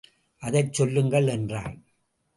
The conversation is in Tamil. அதைச் சொல்லுங்கள் என்றான்.